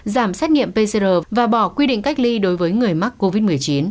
giảm xét nghiệm pcr và bỏ quy định cách ly đối với người mắc covid một mươi chín